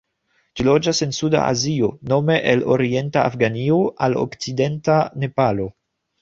Ĝi loĝas en suda Azio, nome el orienta Afganio al okcidenta Nepalo.